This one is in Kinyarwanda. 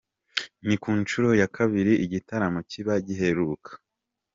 Ni ku nshuro ya kabiri iki gitaramo kiba, giheruka